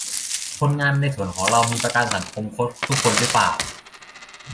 คนงานในสวนของเรามีประกันสังคมครบทุกคนรึเปล่า